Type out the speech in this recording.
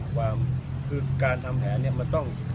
ความคือการทำแผนเนี่ยมันต้อง